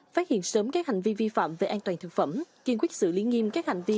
phát hiện sớm các hành vi vi phạm về an toàn thực phẩm kiên quyết xử lý nghiêm các hành vi